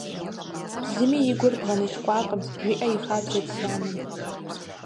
«Зыми и гур бгъэныщкӏуакъым», жиӏэ и хабзэт си анэм.